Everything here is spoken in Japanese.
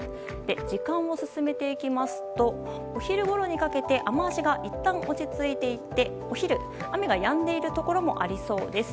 時間を進めていきますとお昼ごろにかけて雨脚がいったん落ち着いていってお昼、雨がやんでいるところもありそうです。